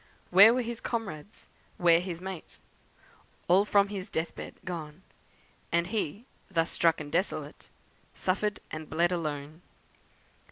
Where were his comrades? where his mate? All from his death bed gone! And he, thus struck and desolate, Suffered and bled alone.